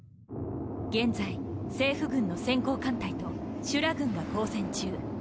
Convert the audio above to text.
現在政府軍の先行艦隊とシュラ軍が交戦中。